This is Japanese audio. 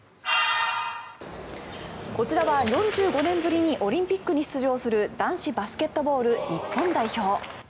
こちらは４５年ぶりにオリンピックに出場する男子バスケットボール日本代表。